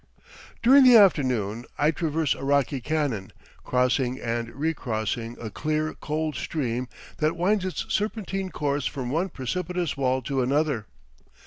During the afternoon I traverse a rocky canon, crossing and recrossing a clear, cold stream that winds its serpentine course from one precipitous wall to another.